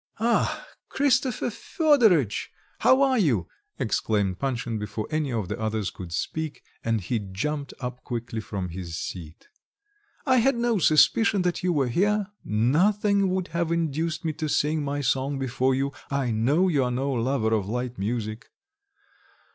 "Ah! Christopher Fedoritch, how are you?" exclaimed Panshin before any of the others could speak, and he jumped up quickly from his seat. "I had no suspicion that you were here nothing would have induced me to sing my song before you. I know you are no lover of light music."